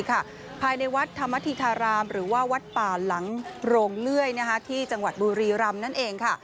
ภายในวัดธรรมธิธารามหรือว่าวัดป่าหลังโรงเลื่อยที่จังหวัดบุรีรำนั่นเองค่ะ